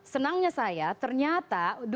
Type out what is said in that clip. senangnya saya ternyata